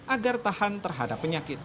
agar tahan terhadap penyakit